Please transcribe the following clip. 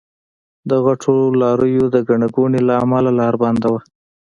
د غټو لاريو د ګڼې ګوڼې له امله لار بنده وه.